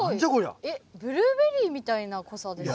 えっブルーベリーみたいな濃さですね。